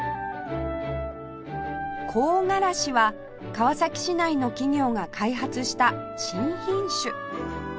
香辛子は川崎市内の企業が開発した新品種